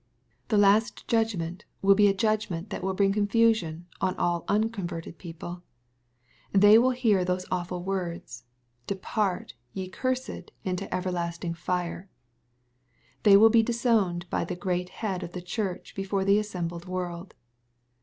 The last judgment will be a judgment that will bring confusion on all unconverted people. They will hear those awful words, " Depart, ye cursed, into everlasting fire." They will be disowned by the great Head of the Church before the assembled world.